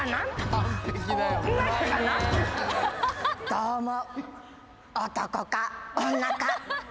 どうも。